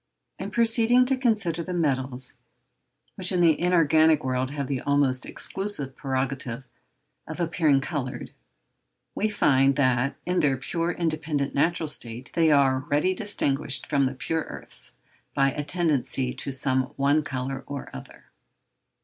In proceeding to consider the metals, which in the inorganic world have the almost exclusive prerogative of appearing coloured, we find that, in their pure, independent, natural state, they are already distinguished from the pure earths by a tendency to some one colour or other.